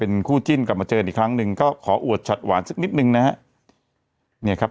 เป็นคู่จิ้นกลับมาเจออีกครั้งหนึ่งก็ขออวดฉัดหวานสักนิดนึงนะครับ